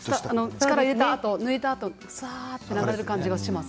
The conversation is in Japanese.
力を入れたあと、抜いたあと流れるような感じがします。